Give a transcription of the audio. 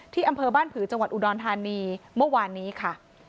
อำเภอบ้านผือจังหวัดอุดรธานีเมื่อวานนี้ค่ะ